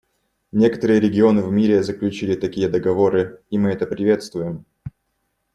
Некоторые регионы в мире заключили такие договоры, и мы это приветствуем.